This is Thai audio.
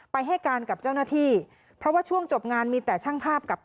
ให้การกับเจ้าหน้าที่เพราะว่าช่วงจบงานมีแต่ช่างภาพกับ